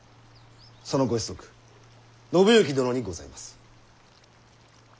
そのご子息信幸殿にございます。